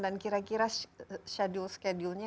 dan kira kira schedule nya